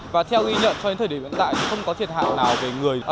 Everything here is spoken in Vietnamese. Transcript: và theo ghi nhận cho đến thời điểm hiện tại thì không có thiệt hại nào về người